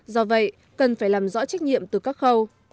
do vậy cần phải làm rõ trách nhiệm từ các khâu